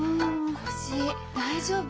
腰大丈夫？